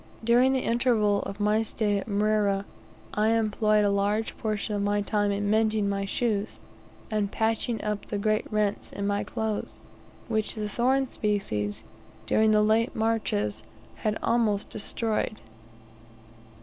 During the interval of my stay at Mrera I employed a large portion of my time in mending my shoes, and patching up the great rents in my clothes, which the thorn species, during the late marches, had almost destroyed.